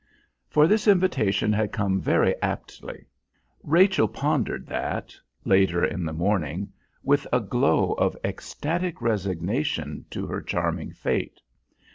For this invitation had come very aptly. Rachel pondered that, later in the morning, with a glow of ecstatic resignation to her charming fate.